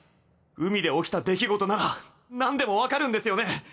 海で起きた出来事ならなんでも分かるんですよね？